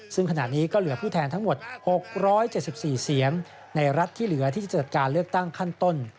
ซึ่งขณะนี้ก็เหลือผู้แทนทั้งหมด๖๗๔เสียงในรัฐที่เหลือที่จะจัดการเลือกตั้งขั้นต้น